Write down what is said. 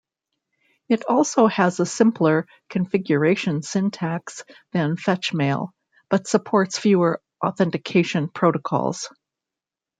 It also has a simpler configuration syntax than fetchmail, but supports fewer authentication protocols.